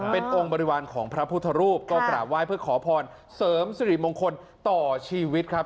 เป็นองค์บริวารของพระพุทธรูปก็กราบไหว้เพื่อขอพรเสริมสิริมงคลต่อชีวิตครับ